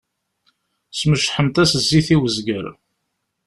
Smecḥemt-as zzit i wezger.